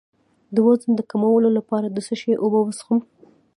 د وزن د کمولو لپاره د څه شي اوبه وڅښم؟